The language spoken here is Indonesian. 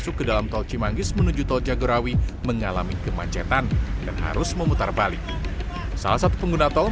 kemudian kita bayar tol sudah bayar tol full